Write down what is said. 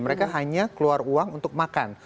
mereka hanya keluar uang untuk makan